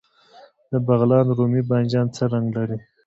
د بغلان رومي بانجان څه رنګ لري؟